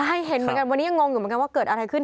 ให้เห็นเหมือนกันวันนี้ยังงงอยู่เหมือนกันว่าเกิดอะไรขึ้น